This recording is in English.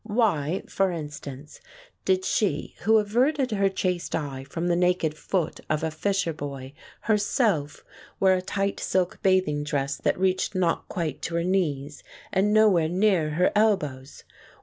Why, for instance, did she who averted her chaste eye from the naked foot of a fisher boy herself wear a tight silk bathing dress that reached not quite to her knees, and nowhere near her elbows?